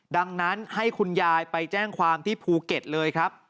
ดังนั้นให้คุณยายไปแจ้งความที่ภูเก็ตเลยครับ